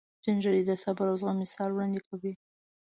سپین ږیری د صبر او زغم مثال وړاندې کوي